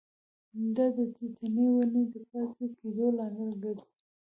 دا د ټیټې ونې د پاتې کیدو لامل ګرځي.